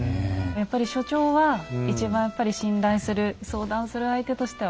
やっぱり所長は一番やっぱり信頼する相談する相手としては？